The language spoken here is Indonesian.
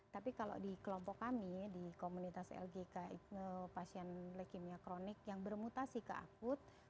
tapi kalau di kelompok kami di komunitas lgk pasien leukemia kronik yang bermutasi ke akut